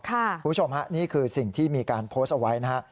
คุณผู้ชมฮะนี่คือสิ่งที่มีการโพสต์เอาไว้นะฮะ